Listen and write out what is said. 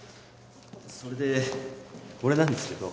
それでこれなんですけど。